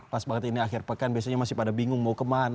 pas banget ini akhir pekan biasanya masih pada bingung mau kemana